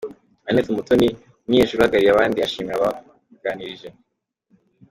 Aneth Mutoni, umunyeshuri uhagarariye abandi ashimira ababaganirije.